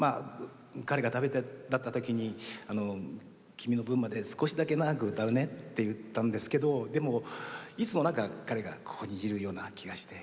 彼が旅立った時に「君の分まで少しだけ長く歌うね」って言ったんですけどでもいつもなんか彼がここにいるような気がして。